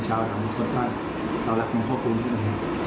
ชาวหลังสนภาษณ์ต่อลักษณ์หลวงพ่อคูณขึ้น